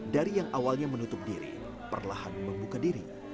dari yang awalnya menutup diri perlahan membuka diri